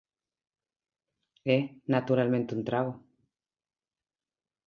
E, naturalmente, un trago.